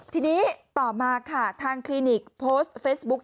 ทีนี้ต่อมาค่ะทางคลินิกโพสต์เฟซบุ๊ค